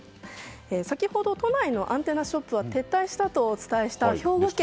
先ほど都内のアンテナショップは撤退したとお伝えした兵庫県。